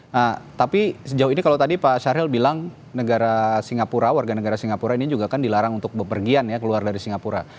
nah tapi sejauh ini kalau tadi pak syahril bilang negara singapura warga negara singapura ini juga kan dilarang untuk bepergian ya keluar dari singapura